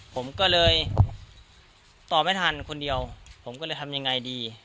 ผมก็เลยตอบไม่ทันคนเดียวผมก็เลยทำยังไงดี